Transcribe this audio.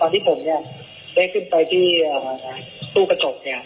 ตอนที่ผมได้ขึ้นไปที่ทู้ประจง